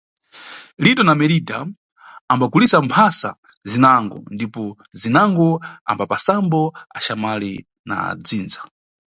Lito na Meridha ambagulisa mphasa zinango ndipo zinango ambapasambo axamwali na adzindza.